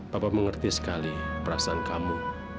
papa mengerti sekali perasaan kamu